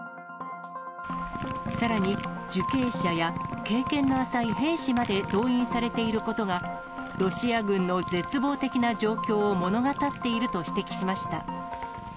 さらに受刑者や経験の浅い兵士まで動員されていることが、ロシア軍の絶望的な状況を物語っていると指摘しました。